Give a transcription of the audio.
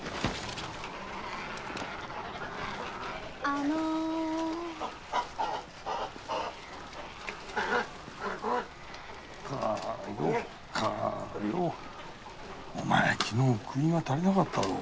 あの。お前昨日食いが足りなかったろ。